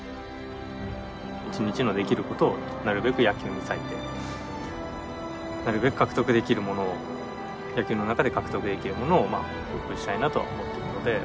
一日のできることをなるべく野球に割いてなるべく獲得できるモノを野球の中で獲得できるモノを多くしたいなとは思っているので。